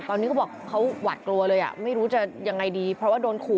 ตอนนี้เขาบอกเขาหวัดกลัวเลยอ่ะไม่รู้จะยังไงดีเพราะว่าโดนขู่